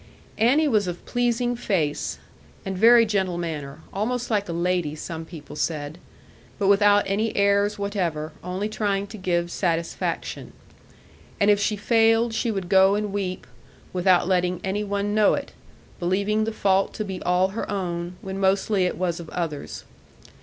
Annie was of a pleasing face, and very gentle manner, almost like a lady some people said; but without any airs whatever, only trying to give satisfaction. And if she failed, she would go and weep, without letting any one know it, believing the fault to be all her own, when mostly it was of others.